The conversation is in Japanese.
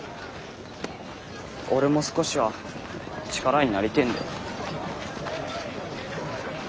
俺も少しは力になりてえんだよ。